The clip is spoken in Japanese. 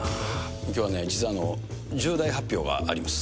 きょうはね、実は重大発表があります。